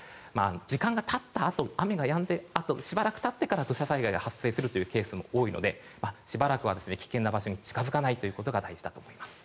時間が経ったあと、雨がやんでしばらく経ってから土砂災害が発生するケースも多いのでしばらくは危険な場所に近づかないことが大事だと思います。